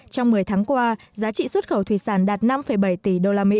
trong một mươi tháng qua giá trị xuất khẩu thủy sản đạt năm bảy tỷ usd